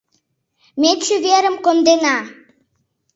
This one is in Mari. Ме чеверым кондена.